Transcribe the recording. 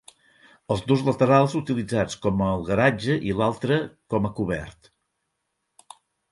Els dos laterals utilitzats com el garatge i l'altre com a cobert.